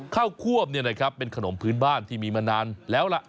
ควบเป็นขนมพื้นบ้านที่มีมานานแล้วล่ะ